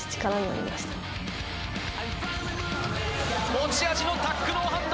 持ち味のタックノーハンド